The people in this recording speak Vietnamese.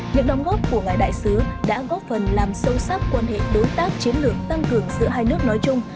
những đóng góp của ngài đại sứ đã góp phần làm sâu sắc quan hệ đối tác chiến lược tăng cường giữa hai nước nói chung